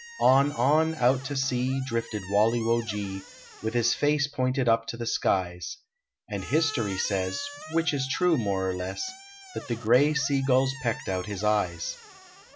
On, on, out to sea, Drifted Walle wo ge, With his face pointed up to the skies ; And history says, Which is true, more or less, That the gray sea gulls pecked out his eyes.